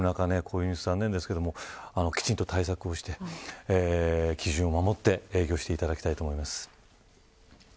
こういうニュース、残念ですがきちんと対策をして基準を守って営業していただきたいと思います。